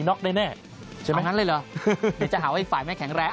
็อกแน่ใช่ไหมงั้นเลยเหรอเดี๋ยวจะหาว่าอีกฝ่ายไม่แข็งแรง